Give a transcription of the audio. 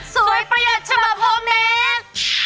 สวยประหยัดฉบับโฮเมต